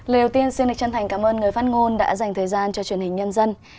lời đầu tiên xin lịch chân thành cảm ơn người phát ngôn đã dành thời gian cho truyền hình nhân dân